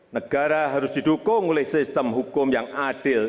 negara harus didukung oleh sistem hukum yang adil